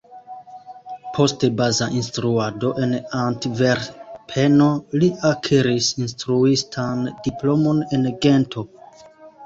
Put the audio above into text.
Post baza instruado en Antverpeno li akiris instruistan diplomon en Gento.